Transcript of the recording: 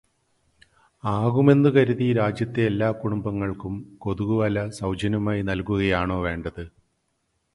ആകുമെന്ന് കരുതി രാജ്യത്തെ എല്ലാ കുടുംബങ്ങൾക്കും കൊതുകുവല സൗജന്യമായി നൽകുകയാണോ വേണ്ടത്?